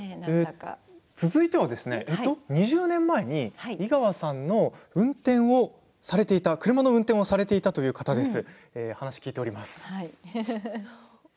続いては２０年前に井川さんの車の運転をされていたという方です。